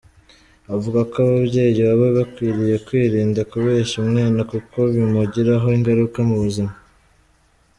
Avuga ko ababyeyi baba bakwiriye kwirinda kubeshya umwana kuko bimugiraho ingaruka mu buzima.